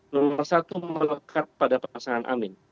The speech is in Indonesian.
nomor satu melekat pada pasangan amin